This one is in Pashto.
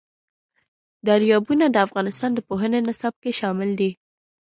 دریابونه د افغانستان د پوهنې نصاب کې شامل دي.